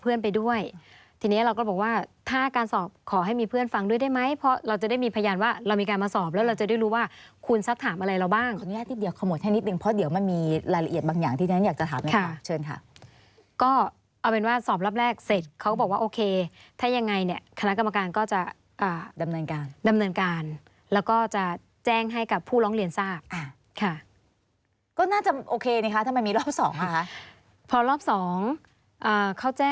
ไปด้วยทีนี้เราก็บอกว่าถ้าการสอบขอให้มีเพื่อนฟังด้วยได้ไหมเพราะเราจะได้มีพยานว่าเรามีการมาสอบแล้วเราจะได้รู้ว่าคุณซับถามอะไรเราบ้างคนนี้อาทิตย์เดียวขโมช์ให้นิดหนึ่งเพราะเดี๋ยวมันมีรายละเอียดบางอย่างที่นั้นอยากจะถามหนึ่งค่ะเชิญค่ะก็เอาเป็นว่าสอบรับแรกเสร็จเขาก็บอกว่าโอเคถ้ายังไงเนี้ยคณะ